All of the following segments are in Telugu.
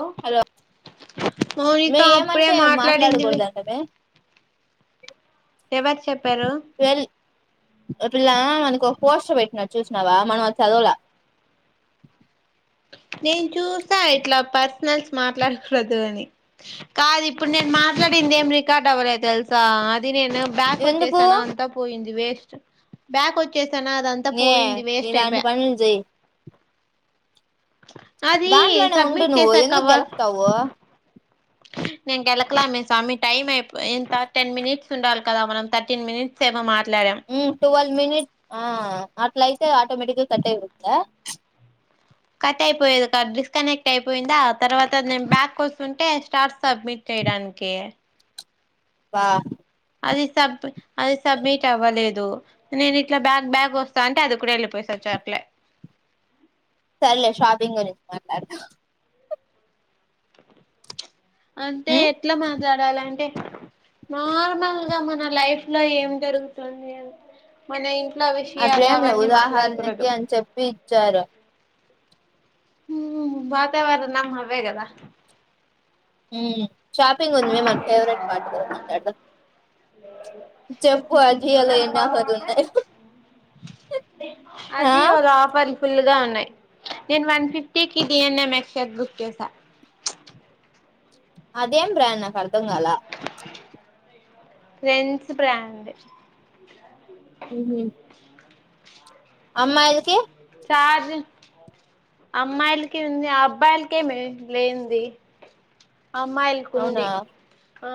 హలో హలొ మౌనిక మే అప్పుడే ఏమంటె మాట్లాడిందివి మాట్లాడకూడదంటమె. ఎవర్ చెప్పారు. ఒ పిల్లగా మనకో పోస్ట్ పెట్టినర్ చూష్నావ మనమద్ చదవల. నేన్ చూసా ఇట్ల పర్సనల్స్ మాట్లాడకూడదు అని కాదిప్పుడ్ నేన్ మా ట్లాడిందేం రికాడవ్వలేదు తెల్సా అది నేను ఎందుకు బ్యాకొచ్చేసానా అంతా పోయింది వేస్ట్ బ్యాకొచ్చె సనా అదంతా నే పోయింది ఇలాంటి వేస్టైపా. పనులు చెయ్ దాంట్లోనే ఉండు సబ్మిట్ నువ్వు చేసాక ఎందుక్ గెలక్తావు. నేన్ గెల్కాలే మే సామి టైమైపోయ్ ఇంక టెన్ మినిట్స్ ఉండాల్ కదా మనం థర్టీన్ మినిట్సేమొ మాట్ ఉమ్ టువల్ మినిట్ ఆ అట్లైతే ఆటోమెటిగ్గ కట్టైపోతుంద చ్. కట్టైపోయేది కాద్ డిస్కనెక్టైపోయిందా తర్వాత నేన్ బ్యాక్కొస్తుంటే స్టార్స్ సబ్మిట్ చేయ్డానికి వా. అది సబ్ అది సబ్మిటవ్వలేదు నేనిట్ల బ్యాగ్ బ్యాగొస్తాంటే అది కూడ యెళ్ళిపోయ్ స చాప్లె సర్లె షాపింగ్ గురించి మాట్లాడుదాం. అంటే మ్మ్ ఎట్ల మాట్లాడాలంటె నార్మల్గ మన లైఫ్ లో ఏం జరుగుతుంది అని మన ఇన్ ట్లొ విషయాలు అట్లేం లే అవన్నీ ఉదాహరణకి మాట్లాడకూడదు. అని చెప్పి ఇచ్చారు ఊమ్ వాతావరణం అవే గద. ఉమ్ షాపింగుంది మే మన ఫేవరేట్ పాట్ గద మాట్లాడ్దాం. చెప్పు అజియోలొ ఎన్నాఫర్లున్నాయొ. అజీయొలొ ఆఫర్లు ఫుల్లుగా ఉన్ నయ్ నేన్ వన్ ఫిఫ్టీకి డి ఎన్ ఎమ్ మెక్షర్ బుక్ చేస. అదేం బ్రాండ్ నాకర్ధం గాల. Trends brand. ఊహు. అమ్మాయ్ల్కి. ఛార్జ్. అమ్మాయ్లికి ఉంది ఆబ్బాయిల్కేమె లేంది. అవునా అమ్మాయిల్కుంది. ఆ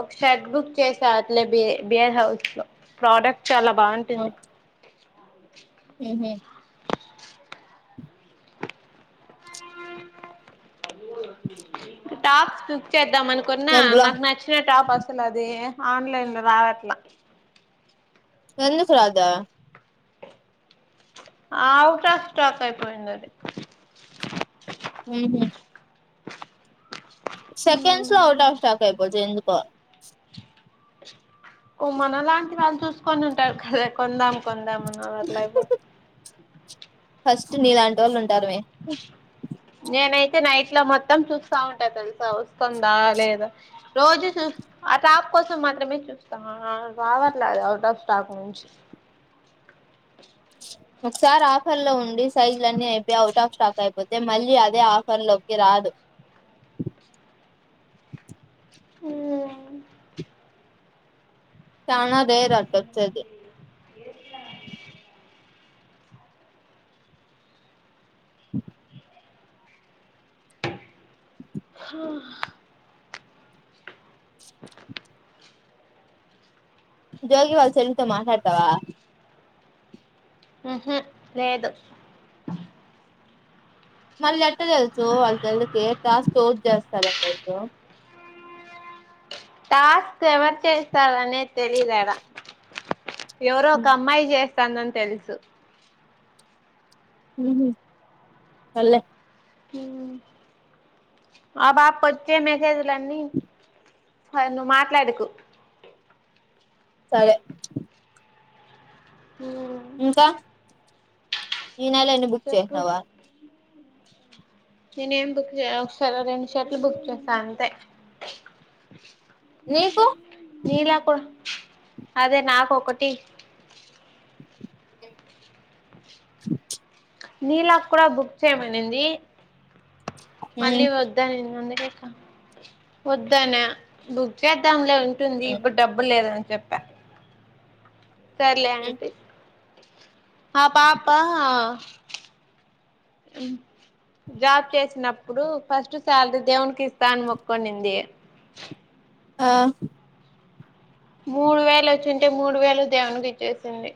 ఒక షర్ట్ బుక్ చేసా అట్లె బి బియర్ హౌస్ లొ ప్రాడక్ట్ చాలా బాంటుంది. ఊహు. టాప్స్ బుక్ చేద్ ఇద్దాం అనుకున్నా నేను బ్లా నాకు నచ్చిన టాప్ అసల్ అది ఆన్లైన్ లో రావట్లా ఎందుకు రాదా ఔట్ ఆఫ్ స్టాక్ అయిపోయుండాది ఊహు. సెకండ్స్ లొ ఔటాఫ్ స్టాకైపోతయ్ ఎందుకొ ఒ మన లాంటి వాళ్ళు చూస్కొనుంటార్ కద కొందాం కొందాం అని అవట్లైపోతాయ్. ఫస్టు నీలాంటోళ్ళుంటారు మె. నేనైతే నైట్ ల మొత్తం చూస్తా ఉంటా తెల్సా వస్తండా లేదా రోజు చూ అ కోసం మాత్రమే చూస్తా రావట్లేదు అవుట్ ఆఫ్ స్టాక్ నుంచి ఛీ ఒక్సారి ఆఫర్ లో ఉండి సైజ్లన్నీ అయిపియి అవుట్ ఆఫ్ స్టాక్ అయిపోతే మళ్ళీ అదే ఆఫర్ లోకి రాదు [unintelligible] ఉమ్ చానా రేర్ అటోచ్చెది ఎల్లా అ హా జోగివాల్ చెల్లితో మాట్లాడ్తావ ఉహ్మ్ లేదు మళ్ళీ ఎట్ట తెల్సు వాళ్ళ చెళ్ళికి టాస్క్ పోస్ట్ చేస్తారని తెలుసు టాస్క్ ఎవర్ చేసారన్నే తెలిదాడ ఎవరో ఒక అమ్మాయి చేస్తాందని తెలుసు ఉహుమ్ సర్లే ఉమ్ ఆ బాప్ కొచ్చే మెసేజ్లన్నీ హైనువ్ మాట్లాడుకు సరే హుమ్ ఇంకా ఈ నెల ఎన్ని బుక్ చెప్పు చేసవా నేను ఏం బుక్ చేయ ఒకసారి రెండు షట్లు బుక్ చేస అంతే నీకు నీలా కొ అదే నాకు ఒకటి నీలా కుడా బుక్ చేయమనింది మళ్ళీ ఉహు వద్దనింది అందుకే ఇంకా వద్దనా బుక్ చేదంలే ఉ ఉంటుంది ఇప్పుడు డబ్బు లేదని చెప్పా సర్లేఆంటీ ఆ పాపా హు జాబ్ చేసినప్పుడు ఫస్ట్ సాలరీ దేవుకి ఇస్తా అని మొక్కొనింది ఆ మూడు వేలు వచ్చింటే మూడు వేలు దేవునికి ఇచ్చేసింది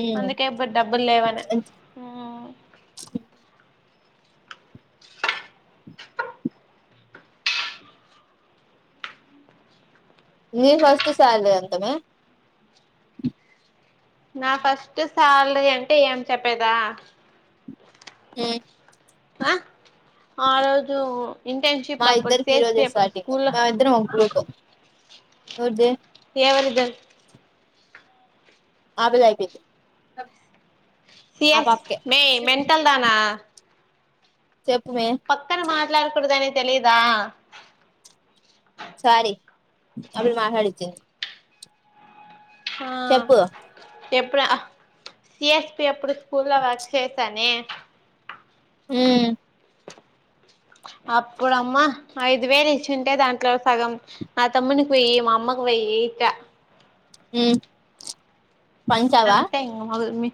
ఉమ్ అందుకే ఇప్పుడు డబ్బులు లేవనే [unintelligible] మీ ఫస్ట్ సార్లీ ఎంతమే నా ఫస్ట్ సార్లీ అంటే ఏం చెప్పేదా హుమ్ ఆ ఆ రోజు ఇంటర్న్షిప్ మా అప్పుడు ఇద్దరికి సిఎస్పి ఈరోజు అప్పుడు స్టార్టింగ్ స్కూల్లో మా ఇద్దరం అకగ్రూపే ఎ ఎవరిదర్ ఆమెది అయిపోయింది ఆ సిఎస్ పాపకే మేయ్ మెంటల్ దనా చెప్పుమే పక్కన మాట్లాడుకుడదని తెలిదా సారీ ఆ పిల్ల మాట్లాడిచ్చింది ఆ చెప్పు చెప్పురా సిఎస్పి అప్పుడు స్కూల్లో వర్క్ చేసానే మ్ అప్పుడమ్మ ఐదు వేలు ఇచ్చింటే దాంట్లో సగం మా తమ్మునికి వేయి మా అమ్మకు వేయి ఇంకా ఉమ్ అంతే ఇంగా మగు మీ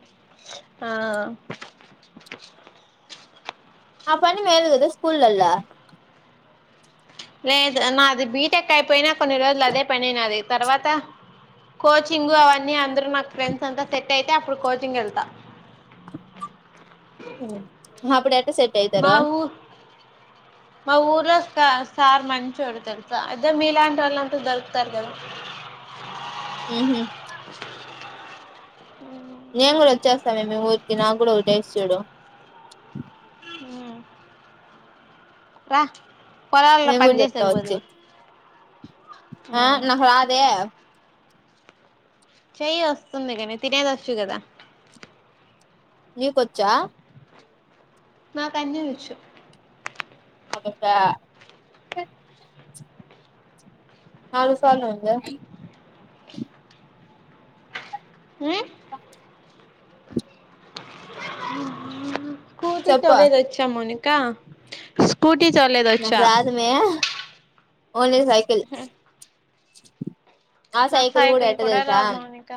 ఆ ఆ పని మేలు గద స్కూల్లల లేదు నాది బీటెక్ అయిపోయిన కొన్ని రోజులు అదే పనే నాది తర్వాత కోచింగు అవన్నీ అందరు నాక్ ఫ్రెండ్స్ అంతా సెట్ అయితే అప్పుడు కోచింగ్ ఎళ్తా అప్పుడు ఎట్ట సెట్ అయితరు. ఆ ఊర్లో సా సార్ మంచోడు తెల్సా అదే మీలాంటోలంత దొరుకుతారు గదా మ్ హ్ నేన్ గుడా వచ్చేస్తామే మీ ఊరికి నా గుడా ఒ దేస్ చూడు మ్ రా పోరగాన్ల నేను పన్ కూడా చెప్తా వచ్చి చేసేక్పోదువు. ఆ నాకు రాదే చెయ్య వస్తుంది గని తినేదొచ్చు గదా నీకోచ్చా? నాక్ అన్ని వచ్చు. అభచా నాలుగు సార్లు అయిందా మ్మ్ స్కూటీ చెప్పు తొలేదొచ్చా మౌనికా స్కూ టీ నాకు తోలేదొచ్చా? రాదుమే ఓన్లీ సైకిల్ ఆ నాకు సైకిల్ గుడా ఎట్ట కూడా తెల్సా రాదు మౌనిక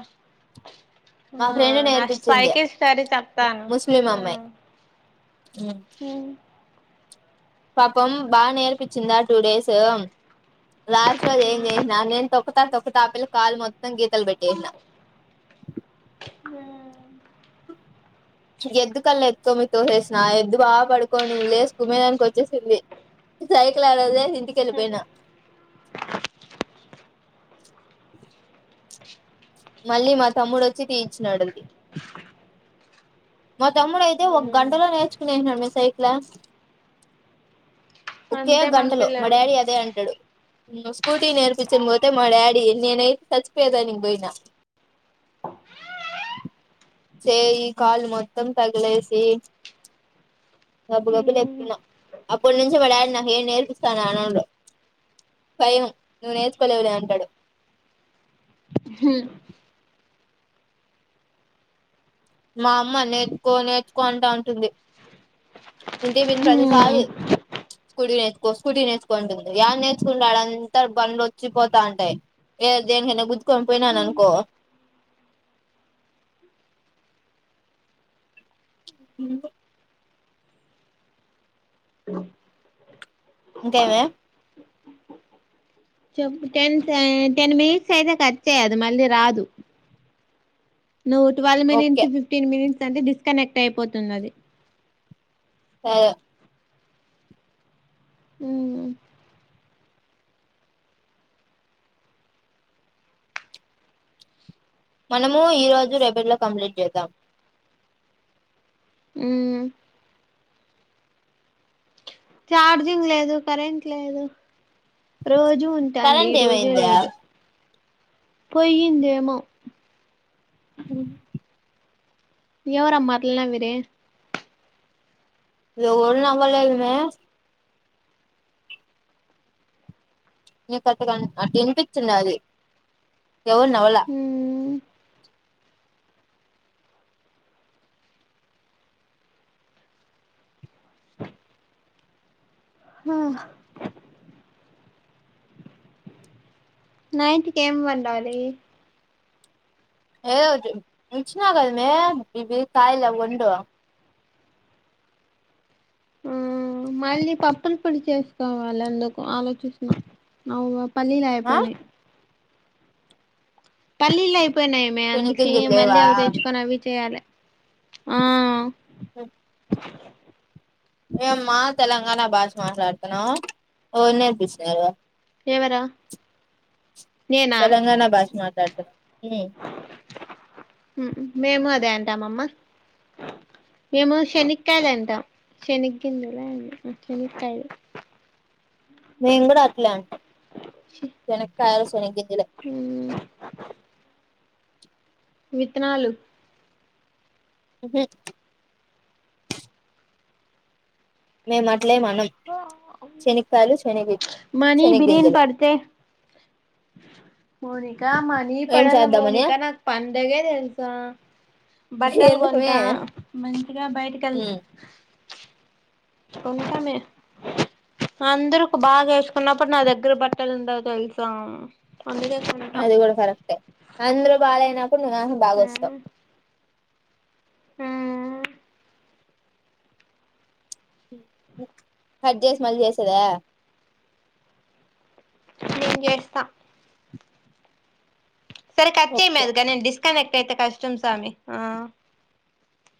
ఆ నేర్పించింది స్పైకిల్ స్టోరీ చెప్తాను. ముస్లిం అమ్మాయి మ్ పాపం బానేర్పిచ్చిందా టూ డేస్.. లాస్ట్ రోజు ఏం జేసిన నేన్ తొక్కుతా తొక్కు తా ఆ పిల్ల కాల్ మొత్తం గీతల్ పెట్టేసిన మ్ ఎద్దు కల్ ఎత్కో మీ తోసేసిన ఎద్దు బాగా పడుకోనిన్ లేసి కుమ్మేదానికి వచ్చేసింది. సైకిల్ ఆడ వదిలేస్ ఇంటికెళ్లిపోయినా మళ్ళీ మా తమ్ముడోచ్చి తీయిచ్చినాడు అది మా తమ్ముడయితే ఒక్ గంటలో నేర్చుకునేసినాడు మే సైకిలా ఒకే అంతే మగ గంటలో మా పిల్లలు డాడీ అదే అంటడు. ఇంగో స్కూటీ నేర్పిచ్చిన్ బోతే మా డాడి నేనైతే చచ్చిపోయేదానిక్ బోయిన చేయి, కాలు మొత్తం తగ్లేసి గబ్బు గబ్బు లేప్కున్న అప్పట్నుంచి మా డాడీ నాక్ ఏం నేర్పిస్తా అని అనడు. భయం నువ్ నేర్చుకోలేవులే అంటాడు. హ్ మా అమ్మ నేర్చుకో నేర్చుకో అంటా ఉంటుంది. ఇంటిక్ పోయిన ప్రతిసారి స్కూటీ నేర్చుకో స్కూటీ నేర్చుకో అంటుంది. యాడ నేర్చుకుంటా ఆడంతా బండ్లు వచ్చి పోతా ఉంటాయి. ఏ దేనికైనా గుద్దుకోన్ పోయినాననుకో మ్ ఇంకేమే చెప్పు టెంన్స్ ఏ టెన్ మినిట్స్ అయితే కట్ చేయి అది మళ్ళీ రాదు. నువ్వు twelve minutes okay fifteen minutes అంటే డిస్కనెక్ట్ అయిపోతుంది అది. [unintelligible] మ్ మనము ఈ రోజు రేపట్లో కంప్లీట్ చేద్దాం. మ్ చార్జింగ్ లేదు కరెంట్ లేదు రోజు రోజు ఉంటాండి కరెంట్ ఈ రోజే ఏమైందా లేదు పొయ్యిందేమో ఎవరమ్మ అట్లా నవ్విరి ఎవల్ నమ్మలేదు మే నీకు అట్ల కని అట్ల వినిపిచింది అది ఎవరు నవల మ్మ్ హ నైటికి ఏం వండాలి ఏదోఓటి ఇచ్చినగదమ్మే ఇవి కయల్ అండో మ్మ్ మళ్ళీ పప్పుల పొడి చేసుకోవాలి అందుకు ఆలోచిస్తున్న అవు పల్లిలు ఆ అయిపోయినాయ్ పల్లీళ్లు అయిపోయినాయమే అందుకే శనిగింజలు మళ్ళీ లేవా అవి తెచ్చుకొని అవి చేయాలె ఆ ఉ ఏమ్మా తెలంగాణ భాష మాట్లాడుతున్నావ్ ఎవల్ నేర్పించినారు. ఎవరా నేనా తెలంగాణ భాష మాట్లాడుతున్నావు మేము అదే అంటాం మమ్మ మేము శనక్కాయలు అంటాం శనగింనాలా శనక్కయలు మేము కూడా అట్లే అంటాం శనక్కయలు శనెగి మ్ విత్తనాలు ఉహు మేమ అట్లేమనం శనక్కయలు శెనిగ్ శనగింజలు మౌనికా మనీ ఏం పడలే చేద్దామని మౌనికా నాకు పండగే తెలుసా బట్టలు ఎందుకుమే కొంటా మంచిగా బయటికి వెళ్ కొంటామే అందరూ బాగ వేసుకున్నప్పుడు నా దగ్గర బట్టలుండవు తెలుసా అందుకే కొంటా అది కూడా కరెక్టే అందరు బాగాయినప్పుడు నువేమో బాగాఎస్తావ్ కట్ చేసి మళ్ళి చేసేదా నేన్ చేస్తా సరే కట్ చేమే ఓకే దిగా నేను డిస్కనెక్ట్ అయితే కష్టం సమీ